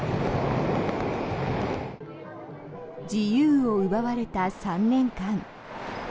自由を奪われた３年間。